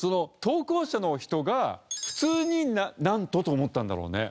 投稿者の人が普通に「ナンと」と思ったんだろうね。